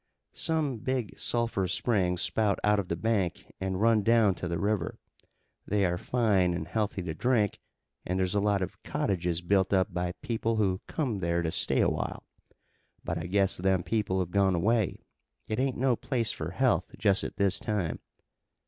"Some big sulphur springs spout out of the bank and run down to the river. They are fine and healthy to drink an' there's a lot of cottages built up by people who come there to stay a while. But I guess them people have gone away. It ain't no place for health just at this time."